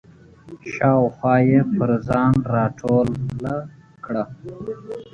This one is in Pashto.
شاوخوا یې پر ځان راټوله کړه.